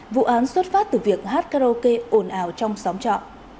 vụ án xuất phát từ việc hát karaoke ồn ào trong sóng trọ